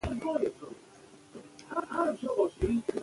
د افغانستان په منظره کې فاریاب ښکاره ده.